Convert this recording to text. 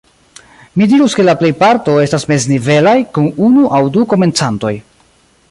Mi dirus ke la plejparto estas meznivelaj, kun unu aŭ du komencantoj.